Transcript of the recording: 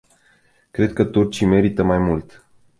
Cred că turcii merită mai mult.